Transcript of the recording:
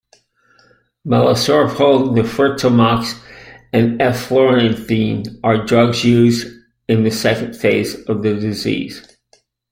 Melarsoprol, nifurtimox and eflornithine are drugs used in second phase of the disease.